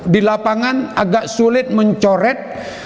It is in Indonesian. di lapangan agak sulit mencoret